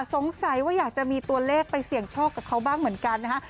สงสัยว่าอยากจะมีตัวเลขไปเสี่ยงโชคกับเขาบ้างเหมือนกันนะฮะ